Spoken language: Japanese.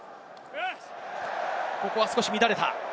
ここは少し乱れた。